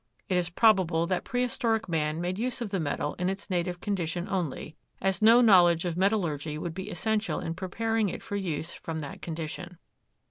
It is probable that prehistoric man made use of the metal in its native condition only, as no knowledge of metallurgy would be essential in preparing it for use from that condition.